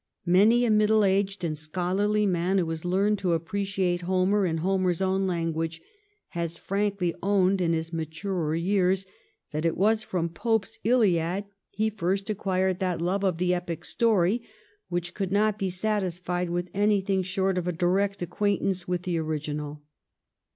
Many a middle aged and scholarly man who has learned to appreciate Homer in Homer's own lan guage has frankly owned in his maturer years that it was from Pope's ' Hiad ' he first acquired that love of the epic story which could not be satisfied with anything short of a direct acquaintance with the original.